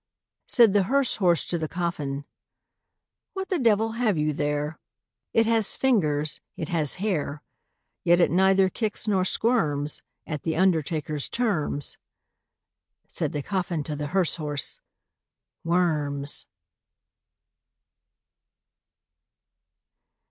Said the hearse horse to the coffin, "What the devil have you there? It has fingers, it has hair; Yet it neither kicks nor squirms At the undertaker's terms." Said the coffin to the hearse horse, "Worms!"